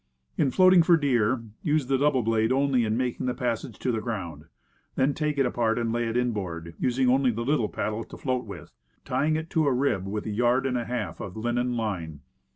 In floating for deer, use the double blade only in making the passage to the ground; then take it apart and lay it inboard, using only the little paddle to float with, tying it to a rib with a yard and a half of linen line.